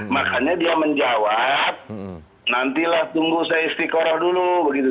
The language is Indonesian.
makanya dia menjawab nantilah tunggu saya istiqorah dulu begitu